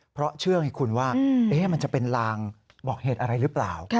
เพราะเชื่อไงคุณว่ามันจะเป็นลางบอกเหตุอะไรหรือเปล่า